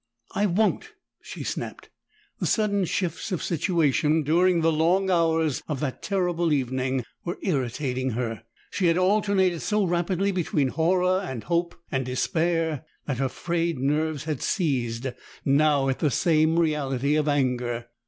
"I won't!" she snapped. The sudden shifts of situation during the long hours of that terrible evening were irritating her. She had alternated so rapidly between horror and hope and despair that her frayed nerves had seized now at the same reality of anger.